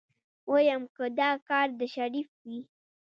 ويم که دا کار د شريف وي.